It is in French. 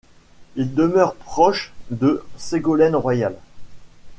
Il demeure proche de Ségolène Royal.